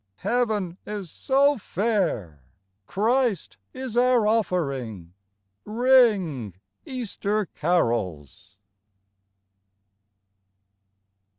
Heaven is so fair, Christ is our offering. Ring, Easter carols